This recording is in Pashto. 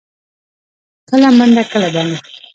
کله منډه، کله دمه.